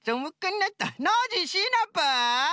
ノージーシナプー？